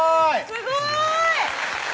すごい！